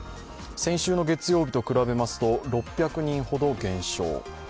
先週の月曜日と比べますと６００人ほど減少。